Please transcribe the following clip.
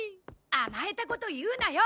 甘えたこと言うなよ！